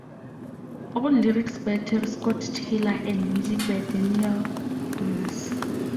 All lyrics by Terry Scott Taylor, and music by Daniel Amos.